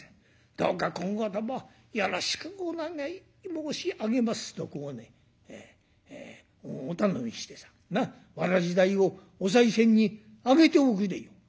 どうか今後ともよろしくお願い申し上げます』とこうねお頼みしてさわらじ代をおさい銭にあげておくれよ」。